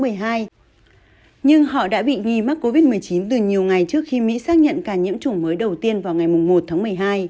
nhưng họ đã bị nghi mắc covid một mươi chín từ nhiều ngày trước khi mỹ xác nhận ca nhiễm chủng mới đầu tiên vào ngày một tháng một mươi hai